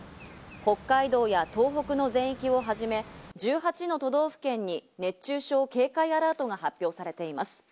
北海道や東北の全域をはじめ、１８の都道府県に熱中症警戒アラートが発表されています。